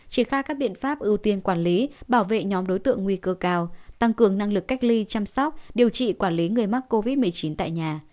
triển khai các biện pháp ưu tiên quản lý bảo vệ nhóm đối tượng nguy cơ cao tăng cường năng lực cách ly chăm sóc điều trị quản lý người mắc covid một mươi chín tại nhà